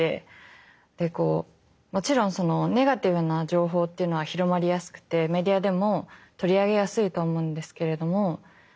でこうもちろんネガティブな情報っていうのは広まりやすくてメディアでも取り上げやすいと思うんですけれども。